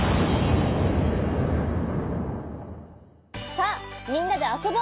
さあみんなであそぼう！